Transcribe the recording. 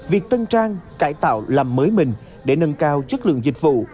việc tân trang cải tạo làm mới mình để nâng cao chất lượng dịch vụ